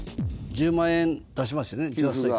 １０万円出しますよね